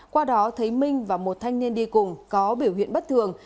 qua đó thấy minh và một thanh niên đi cùng có biểu hiện bất thường